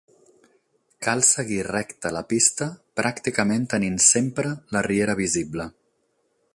Cal seguir recte la pista, pràcticament tenint sempre la riera visible.